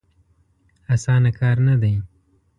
اسانه کار نه دی.